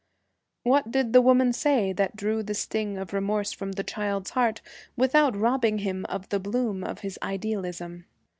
What did the woman say, that drew the sting of remorse from the child's heart, without robbing him of the bloom of his idealism?